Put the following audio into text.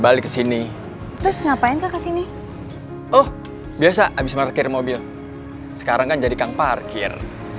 balik ke sini terus ngapain kak kesini oh biasa habis parkir mobil sekarang kan jadikan parkir